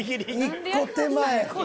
１個手前。